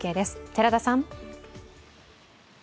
寺田さん。